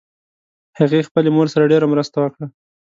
هغې خپلې مور سره ډېر مرسته وکړه